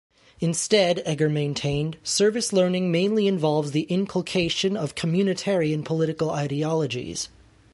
Instead, Egger maintained, service learning mainly involves the inculcation of communitarian political ideologies.